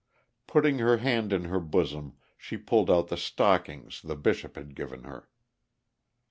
Putting her hand in her bosom, she pulled out the stockings the Bishop had given her.